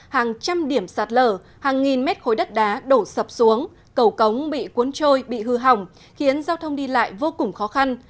hàng trăm điểm sạt lở hàng nghìn mét khối đất đá đổ sập xuống cầu cống bị cuốn trôi bị hư hỏng khiến giao thông đi lại vô cùng khó khăn